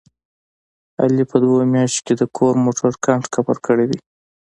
علي په دوه میاشتو کې د کور موټر کنډ کپر کړی دی.